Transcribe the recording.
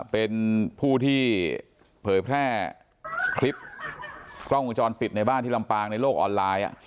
เป็นผู้ที่เผยแพร่คลิปกล้องวงจรปิดในบ้านที่ลำปางในโลกออนไลน์